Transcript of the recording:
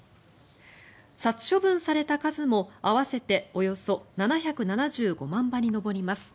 殺処分された数も合わせておよそ７７５万羽に上ります。